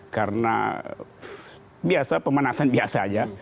karena biasa pemanasan biasa aja